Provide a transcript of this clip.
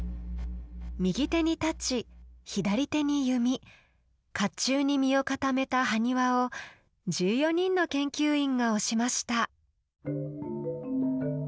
右手に大刀左手に弓甲冑に身を固めた埴輪を１４人の研究員が推しました。